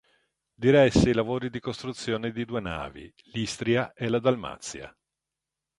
Diresse i lavori di costruzione di due navi l’"Istria" e la "Dalmazia".